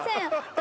私